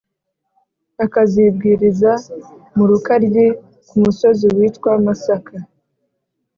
akazibwiriza mu rukaryi ku musozi witwa masaka